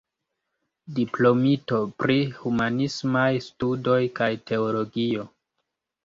Diplomito pri Humanismaj Studoj kaj Teologio.